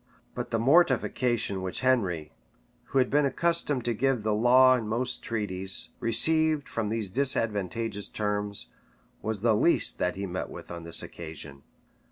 But the mortification which Henry, who had been accustomed to give the law in most treaties, received from these disadvantageous terms, was the least that he met with on this occasion.